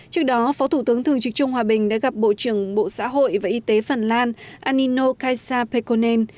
trước đó phó thủ tướng thường trực trung hòa bình đã gặp bộ trưởng bộ xã hội và y tế phần lan anino kasa pekonen